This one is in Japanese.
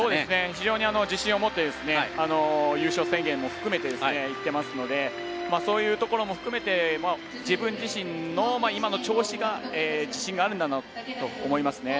非常に自信を持って優勝宣言も含めて言っていますのでそういうところも含めて自分自身の今の調子に自信があるんだと思いますね。